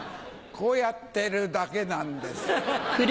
こうやってるだけなんです。